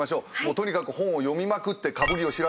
とにかく本を読みまくってかぶりを調べた２人です。